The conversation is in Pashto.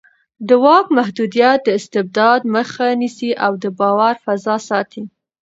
د واک محدودیت د استبداد مخه نیسي او د باور فضا ساتي